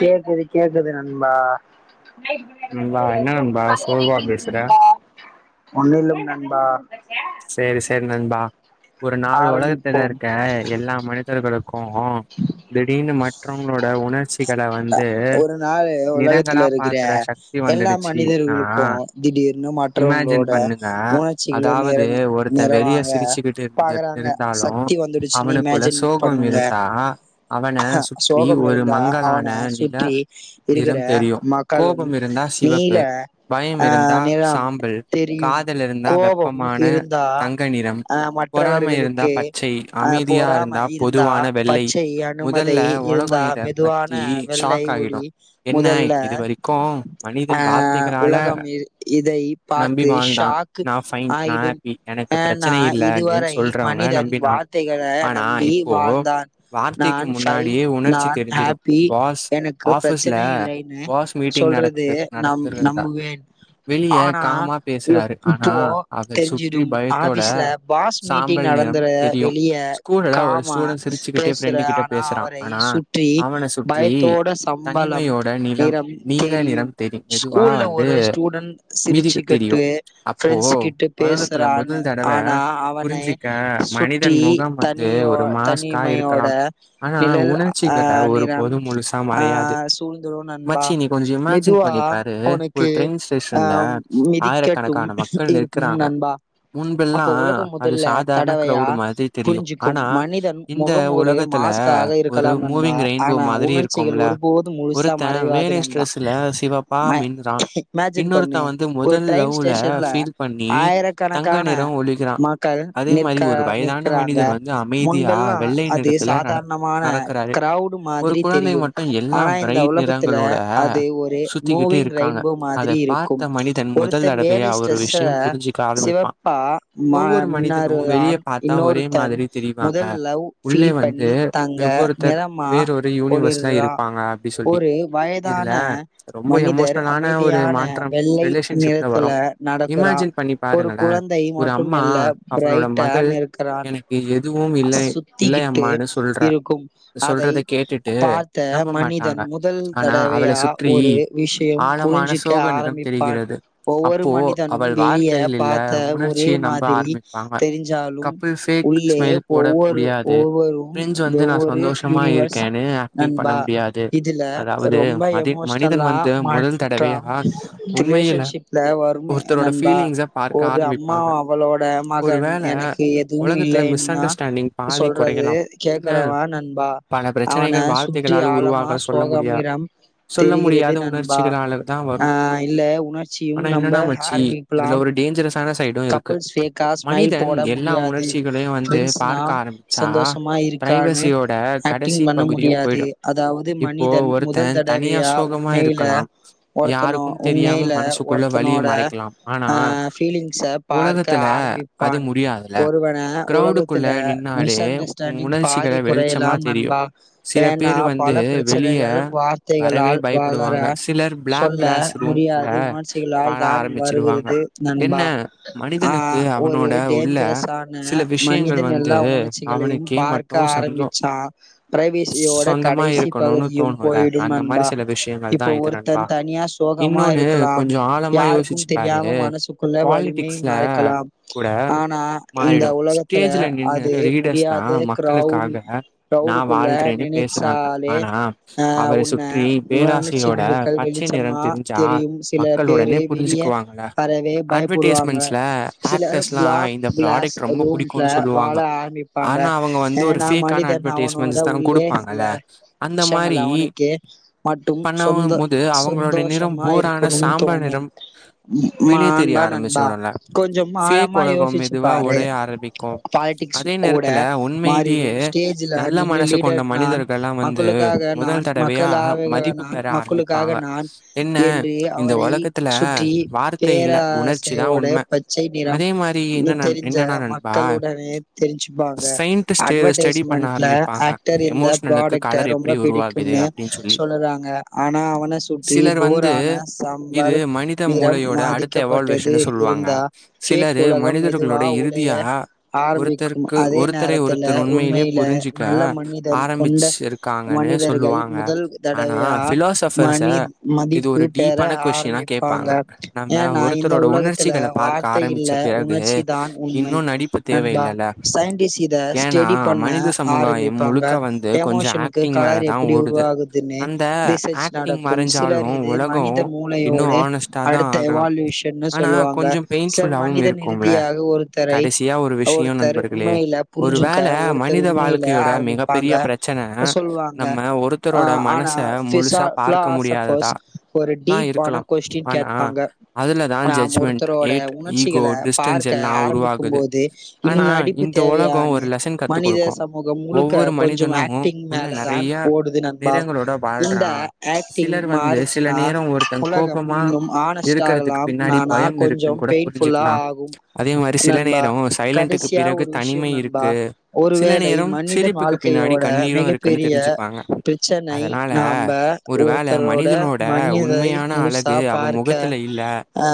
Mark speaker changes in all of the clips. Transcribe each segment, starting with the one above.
Speaker 1: கேக்குது கேக்குது நண்பா ஒன்னிங் நண்பா
Speaker 2: நண்பா ஒரு நாள் ஒலகத்ல இருக்க எல்லா மனிதர்களுக்கு திடீர்னு மற்றவங்களோ ட உணர்ச்சிகள வந்து நிறங்களா பாக்கற சக்தி வந்துடுச்சுனா அ இமாஜின் பண்ணுங்க அதாவ து ஒருத்த வெளிய சிரிச்சுக்கிட்டு இருதட் இருந்தாலு அவனுக்குள்ள சோகோ இருந் தா அவன சுற்றி ஒரு மங்க
Speaker 1: அவன சுற்றி இருக்குற மக்களு நீல ஆ நிலம் தெரியு கோவம் இருந்தா அ மற்றவர்களுக்கே அ பொறாம இருந்தா பச்சை அனுமதை இருந்தா பொதுவான வெள்ளை ஒளி முதல்ல அ உலகம் இ இதை பாத்து ஷாக்கு ஆ ய்டும் ஏனா இதுவரை மனிதன் வார்த்தைகள நம்பி வாழ்ந்தான் நான் ஷைன் நான் ஹாப்பி எனக்கு பிரச்சனை இல்லைன்னு சொல்றது நம் நம்புவேன் ஆனா இப்போ தெரிஞ்சிடும் ஆஃபீஸ்ல பாஸ் மீட்டிங் நடந்தற வெளிய காமா பேசறே ஆனா அவரை சு ற்றி பயத்தோட சம்பளம் நிறம் தெரியும் ஸ்கூல்ல ஒரு வே ஸ்டூடெண்ட் சிரிச்சு கட்டு ஃப்ரெண்ட்ஸு கிட்ட பேசறானு ஆனா அவனை சுற்றி தனி ஒ தனி மையோட நிழல் அ ஆ நிறம் ஆ சூழ்ந்துரு நண்பா மெதுவா உனக் கு அ மிதிக்கட்டும் இருக்கும் நண்பா
Speaker 2: முன்பெல்லா அது சாதாரண க்ரவுடு மாதிரி தெரியு ஆனா இந்த உலகத்து ல
Speaker 1: கலாம் நண்பா ஆனா உணர்ச்சிகள் ஒருபோதும் முழுசா மறைவாது நண்பா மை இமேஜின் பண்ணி ஒரு ட்ரெய்ன் ஸ்டேஷன்ல ஆயிரக்கணக்கான மக்கள் நிற்க நிக்கிறாங்க முன்பெல் லா அது சாதாரணமான க்ரவுடு மாதிரி தெரியும் ஆனா இந்த உலகத்துல அது ஒரு மூவிங் ரைட் ம்பு மாதிரி இருக்கும் ஒருத்தன் வேலை ஸ்ட்ரெஸ்ஸா சிவப்பா மா மின்னாறு ஆண் இன்னோருத்தன் முதல் லவ் ஃபீல் பண்ணி தங்க நிறமா ஒளிர்றா ஒரு வயதான மனிதர் அ அமைதியான வெள்ளை நிறத்துல நடக்குறா ஒரு குழந்தை மட்டும் இல்ல பிரைட்டா நிற்கறான் சு த்திக்கிட்டு இருக்கும் அதை பார்த்த மனிதன் முதல் தடவையா ஒரு விஷயம் புரிஞ்சிக்க ஆரம்பிப்பான் ஒவ்வொரு மனிதனும் வெளி ய பார்த்த ஒரே மாதிரி தெரிஞ்சாலும் உள்ளே ஒவ்வொரு ஒவ்வொரும் வெவ்வே ரு யூனிவர்ஸ் நண்பா இதுல ரொம்ப எமோஷனலா மட் ட்ரம் ரிலேஷன்ஷிப்ல வருமே நண்பா ஒரு அம்மா அவளோட மகன் எனக்கு எதுவுமில்லைன்னா சொல்றது து கேக்கறவ நண்பா அவன சுற்றி ஆழமா சோகம் நிறம் தெரிகிறது நண்பா ஆ இல்ல உணர்ச்சியும் நம்ப ஆரம்பிக்லாம் கப்பில்ஸ் ஃபேக்கா ஸ்மைல் போட முடியாது ஃப்ரெண்ட்ஸ்னா சந்தோஷமா அ இருக்கான்னு ஏக்டிங் பண்ண முடியாது அதாவது மனிதன் முதல் தடவையா ஒ உண்மைல ஒருத்தனோ உண்மைல ஒருத்தனோட ஆ ச பார்க்க ஆரம்பிப்பான் ஒருவன உலகத்துல மிஸ் அண்டர்ஸ்டேண்டிங் பாதி குறையலாம் நண்பா ஏனா பல பிரச்சனைகள் வார்த்தைகளால் வ ளர சொல்ல முடியாது உணர்ச்சிகளால் தான் வருகிறது நண்பா ஆ ஒரு டேஞ்சரஸ் ஆன மனிதன் எல்லா உணர்ச்சிகளையும் பா ர்க்க ஆரம்பிச்சா ப்ரைவேசியோட கடைசி பகுதியும் போயிடும் நண்பா இப்ப ஒருத்தன் தனியா சோகமா இருக்கலாம் யாருக்கும் தெரியாம மனசுக்குள்ள வலியு மே மறைக்கலாம் ஆனா இந்த உலகத்துல அது முடியாத க்ரா
Speaker 2: ல்லுக்காக
Speaker 1: க்ரவுடுக்குள்ள நினைச்சாலே அ உன்ன உணர்னிச்சிகள் கள் வெளி ச்சம்மா தெரியும் சில பேரு வெளிய வரவே பயப்
Speaker 2: டேஸ்மண்ட்ஸ்ல ஏக்டர்ஸ்ல்லா இந்த ப்ராடக்ட் ரொம்ப புடிக்குனு சொல்லுவாங்க ஆனா அவங்க வந்து ஒரு ஃபேக்கான அட்வடைஸ்மென்ஸ்தா குடுப்பாங்கல அந்த மாரி பண்ணம் மோது அவங்களுடய நிறம் ஃபோரான சாம்பார் நிறம் வெளிய தெரிய ஆரம்பிச் லொடல ஃபேக் ஒலகம் மெதுவா ஒடய ஆரம்பிக்கு அதே நேரத்தல உண்மையிதிதே நல்ல மனசு கொண்ட மனிதர்கள்லா வந்து முதல் தடவையா மதிப்பு பெற ஆரம்பிப்பாங்க என்ன இந்த ஒலக்கத்தில வார்த்தையில உணர்ச்
Speaker 1: னியோட பச்சை நிறம் தெரிஞ்ச மக்களுடனே தெரிஞ்சுப்பாங்க அட்வடைஸ்மண்ட்ல ஆக்டர் இந்த ப்ராடக்ட ரொம்ப பிடிக்கும்னு சொல்லறாங்க ஆனா அவன சுற்றி ஃபோரான சம்பல் நிறம் மாதி
Speaker 2: ல்வெஷனு சொல்வாங்க சிலரு மனிதர்களுடைய இறுதியா ஒருத்தருக்கு ஒருத்தரை ஒருத்தர் உண்மையிலியே புரிஞ்சுக்க ஆரம்பிச்சருக்காங்கனு அ சொல்லுவாங்க ஆனா ஃபிலாசஃபர்ஸ இது ஒரு டீப்பான கொஸ்டினா கேப்பா அ நம்ம
Speaker 1: இந்த உலகத்தில வார்த்தை இல்ல உணர்ச்சி தான் உண்மை நண்பா சயின்டிஸ் த ஸ்டெடி பண்ண ஆரம்பிப்பாங்க எமோஷனுக்கு கலர் எப்டி உருவாகுதுன்னு டிசஜ் நடக்கும் சிலர் இது மனித மூளையோடு அடுத்த எவால்யூஷ் என்ன சொல்வாங்க சிலர் மனிதன் இறுதியாக ஒருத்தரை ஒருத்தர் உண்மையில புரிஞ்சுக்க ஒருத்தர் உண்மையில ஆரம்பிப்பாங்க சொல்வாங்க அ ஆ னா ஃபிசா ஃபிளாசஃபர்ஸ் ஒரு டீப் ஆன கொஸ்டின் கேட்பாங்க நாம் ஒருத்தரோட உணர்ச்சிகள பார்க்க ஆரம்பிக்கும் போது இன்னு நடிப்புத் தெவையானி மனித சமூகம் முழுக்க கொஞ்ச ஏக்டிங் மேல தான் ஓடுது நண்பா இந்த ஏக்டிங் மாறிச்சுனா உலகம் இன்னும் ஆனஸ்ட் லாம் நானா கொஞ்சம் பெயின்ஃபுல்லா ஆகும் நண்பா கடைசியா ஒரு விஷ் ஷ்யம் நண்பா ஒருவேளை மனிதன் வாழ்க்கையோட மிகப் பெரிய பிரச்சன் நைட் நாம்ப ஒருத்தரோட மனிதை முழுசா பார்க்க அ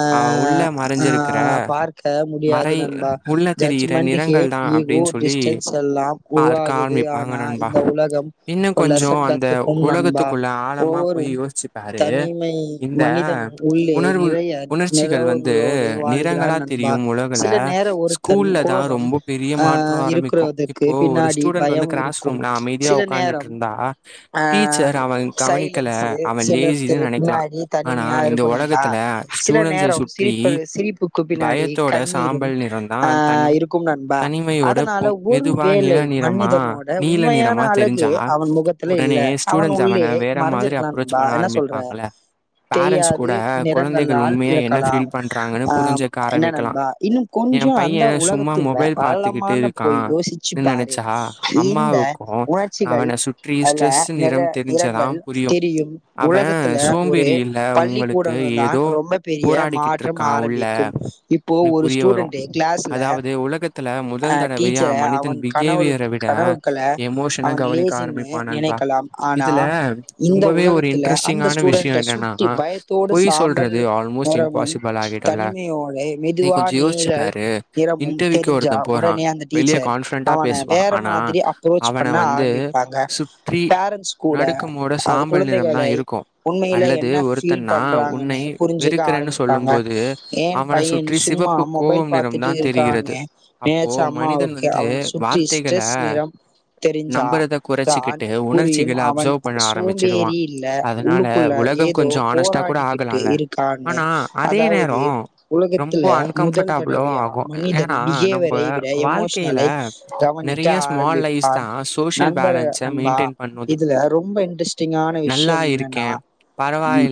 Speaker 1: அ பார்க்க முடியாது நண்பா ஜட்ஜ்மண்ட்டி கேட் ஈஃகோ டிஸ்டன்ஸ் எல்லாம் உருவாகுது ஆனா இந்த உலகம் ஒரு லெசன் கத்துக்கும் நண்பா ஒவ்வொரும் தனிமை மனிதனும் உள்ளே நிறைய நிறவங்களோடு வாழ்கிறான் நண்பா சில நேர ஒருத்தன் கோபம் அ இருக்கிறதுக்கு பின்னாடி பயம் இருக்கும் சில நேரம் அ அ சைலன்ஸு சிலத்து பின்னாடி தனிம்யா இருக்கணுன்பா சில நேரம் சிரிப்பு சிரிப்புக்கு பின்னாடி கண்ணீரும் அ இருக்கும் நண் பா அதனால ஒரு வேளை மனிதனோட உண்மையான அழகே அவன் முகத்துல இல்ல அவன் உள்ளே மறைஞ்சிருக்கலாம் நண்பா என்ன சொல்ற தெரியாது நிறங்கள் லால் இறக்கலாம் அ என்ன நண்பா இன்னும் கொஞ்ச அந்த உலகத்துள்ள ஆழமான போய் யோசிச்சுப் பாரு இந்த உணர்ச்சிகள் அல நிற நிறங்கள் தெரியும் உலகத்துல ஒரு பள்ளிக்கூடங்க தான் ரொம்ப பெரிய மாற்றம் ஆரம்பிக்கும் இப்போ ஒரு ஸ்டூடண்ட்டு கிளாஸ்ல அ டீச்சர அவன் கனவுலுக் கனவுக்கள அவன் லேசின்னு நினைக்க லாம் ஆனா இந்த உலகத்துல அந்த ஸ்டூடண்ட சுத்தி பயத்தோடு சாம்பல் ல் நிறமும் தனிமையோடு மெதுவா நீழல் நிறமும் தெரிஞ்ச தா உடனே அந்த டீச்சர் அவன வேற மாதிரி அப்ரோச் பண்ண ஆரம்பிப்பாங்க ஃபேரண்ட்ஸ் கூட அ குழந்தைகளை உண்மையில என்ன ஃபீல் பண்றாங்கனு புரிஞ்சுக்க ஆரம்பிப்பாங்க ஏன் பையன் சும்மா மொபைல் பாத்துட்டு இருக்கானு னேச்ச அம்மாவுக்கு அவன் சுற்றி ஸ்ட்ரெஸ் நிறம் தெரிஞ்சா தான் புரியும் அவன் சோம்பேறில்ல உள்ளுக்குள்ள ஏதோ போராடிகிட்டு இருக் கானு அதாவது உலகத்துல முதல் தடவையா மனிதன் பிகேவ ரை விட எமோஷ்னலை கவனிக்க ஆரம்பிப்பான் நண்பர நண்பா இதுல ரொம்ப இன்ட்ரெஸ்டிங்கான விஷயம் என்னன்னா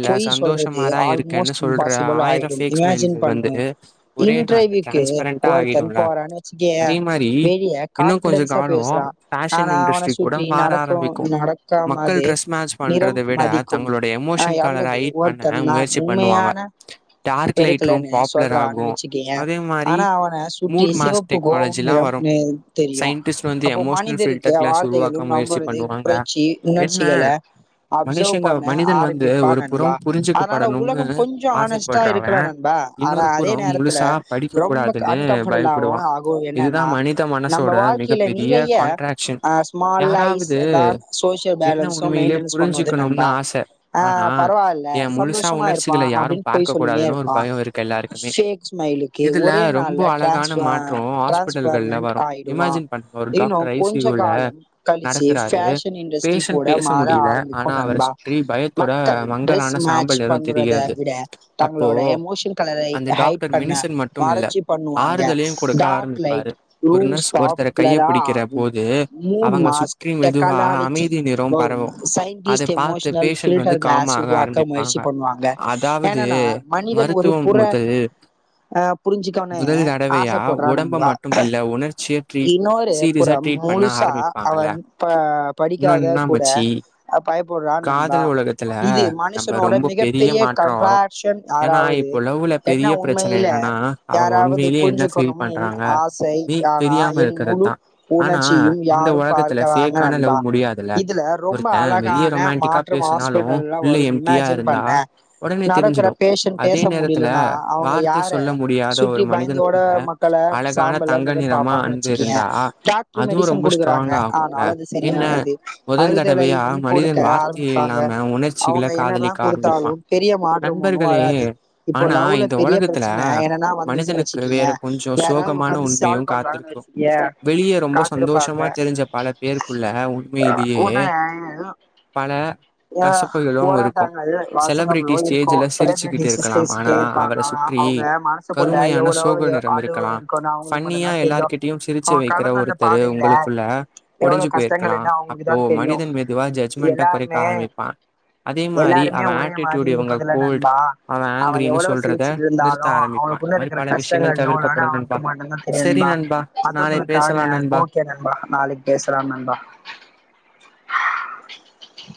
Speaker 1: பொய் சொல்றது ஆள் மோஸ்ட் இம்பாசிபிள் ஆய்டும் இமேஜின் பண்ண இன்ட்ரவைக்கு ஒருத்தன் போரன் வெச்சுக்கயே வெளிய கான்ஃபிடன்ஸா பேசறா ஆனா அவன சுற்றி நடக்கு நடக்காமது நிறம் மதிக்கும் ஆ அல்லது ஒருத்தன் நான் உண்மையான பெருக்கலன்னு சொல்றானு வச்சுக்கயே ஆனா அவன சுற்றி சிவப்பு கோபம் [unintelligible] ம் தெரியு அப்போ மனிதருக்கு வார்த்தைகளும் நம்புறது குறைட்சி உணர்ச்சி க்லே
Speaker 2: மனுஷங்க மனிதன் வந்து ஒரு புறம் புரிஞ்சுக்கப்படணும்
Speaker 1: கொஞ்சோ ஆனஸ்ட்டா இருக்கலா நண்பா ஆனா அதே நேரத்துல ரொம்ப அன்கம்ஃபர்டபுளாகவு ஆகு என்னன்னா நம்ம வாழ்க்கையில நிறைய அ ஸ்மால் லைஸ் தான் சோசியல் பேலன்ஸும் மெயின்டனன்ஸ் பண்ணு இது நண்பா ஆ பரவா இல்ல சந்தோஷமா இரு பா அப்டின்னு பொய் சொல்லினே இருப்பா ஃபேக் ஸ்மைலுக்கு ஒரே நாள்ல ட்ரான்ஸ் ஆ டிரான்ஸ்பர்ன்மெண்ட் ஆயிடுவா இன்னும் கொஞ்ச காலம் கழிச்சு ஃபேஷன் இண்டஸ்ட்ரி கூட மாற ஆரம்பிக்கும் நண்பா மக்கள் ட்ரெஸ் மேட் றத விட தங்களோட எமோஷன் கலரை ஹைட் பண்ண மறட்சி பண்ணுவாங்க டார்க் லைட் ரூம்ஸ் பாப்புலரா ஆகும் மூட் மாஸ் டெக்க கலாலஜி வரும் சயின்டிஸ்ட் எமோஷனல் ஃபில்டர் கிளாஸ் உருவாக்க முயற்சி பண்ணு வாங்க ஏனன்னா மனிதன் ஒரு புற அ புரிஞ்சுக்கோனு ஆசைப்பட்றா நண்பா இன்னொரு புறம் முழுசா அவன் ப படிக்காத கூட அ பயப்புட்றான் நண்பா இது மனுஷனோட மிகப்பெரிய கண்ட்ராக்ஷன் யாராவது என்ன உண்மையில யாராவது புரிஞ்சுக்கணும் என் ஆசை ஆனா என் முழு உணர்ச்சியும் யாரும் பார்க்கிற றாங்க நண்பா இதுல ரொம்ப அழகான மாற்றம் ஹாஸ்பிட்டல்ல வரும் இமேஜின் பண்ண நடக்கற பேஷன் பேச முடியலன்னா அவங்க யார சுற்றி பயந்தோட மக்கள லே சாம்பல நிறம் பாப்பாங்கன்னு வச்சுக்கயே டாக்டர் மெடிசன் குடுக்குறாங்க ஆனாலு அது சரியாக கது அறுதலையும் கொடுக்க ஆரம்பிப்பாங்க அவங்க என்னதா கொடுத்தாலும் பெரிய மாற்றம் ஒன்னு வராது இப்போ லவ்ல பெரிய பிரச்சன என்னன்னா வந்துச்சுன்னு வச் சிக்கயே யாராவது உக்காந்து சால்வ் பண்றாங்க வச்சக்யே காத்திருப்பாங்க
Speaker 2: பேருக்குள்ள உண்மையிலேயே பல கசப்புகளு இருக்கு செலிபிரிட்டி ஸ்டேஜல சிரிச்சுக்கிட்டு இருக்கலாம் ஆனா அவரை சுற்றி கருமையான சோக நிறம் இருக்கலா பஃன்னியா எல்லார்கிட்டயு சிரிச்சு வைக்கிற ஒருத்தரு உங்களுக்குள்ள உடைஞ்சு போயிருக்கலா அப்போ மனிதன் மெதுவா ஜட்மெண்ட கொறைக்க ஆரம்பிப்பான் அதே
Speaker 1: ஒரே மாதிரி இருப்பதுல நண்பா அவ எவ்ளோ சிரிச்சுட்டு இருந்தாலு அவனுக்குள்ள இருக்கிற கஷ்ட [unintelligible] அவனுக்கு மட்டு தா தெரியு நண்பா மத்தவங்களுக்காக ஓகே நண்பா நாளைக்கிபேச தா நண்பா